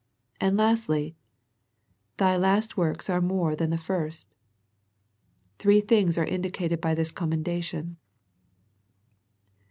And lastly, "thy last works are more than the first." Three things are in dicated in this commendation.